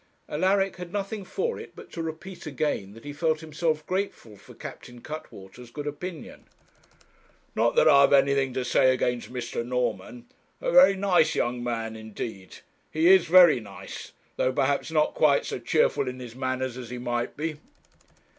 Alaric had nothing for it but to repeat again that he felt himself grateful for Captain Cuttwater's good opinion. 'Not that I have anything to say against Mr. Norman a very nice young man, indeed, he is, very nice, though perhaps not quite so cheerful in his manners as he might be.'